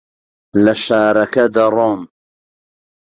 لە شارەکە دەڕۆم.